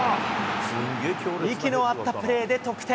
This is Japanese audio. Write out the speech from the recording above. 息の合ったプレーで得点。